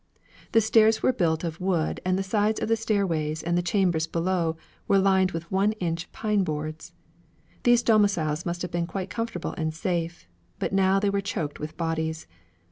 The stairs were built of wood and the sides of the stairways and the chambers below were lined with one inch pine boards. These domiciles must have been quite comfortable and safe, but now they were choked with bodies.